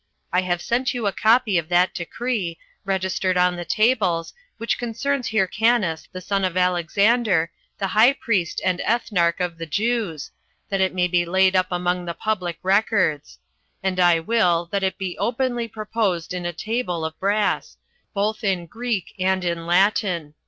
I have sent you a copy of that decree, registered on the tables, which concerns Hyrcanus, the son of Alexander, the high priest and ethnarch of the Jews, that it may be laid up among the public records; and I will that it be openly proposed in a table of brass, both in Greek and in Latin.